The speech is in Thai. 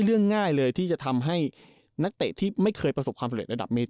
เรื่องง่ายเลยที่จะทำให้นักเตะที่ไม่เคยประสบความสำเร็จระดับเมตร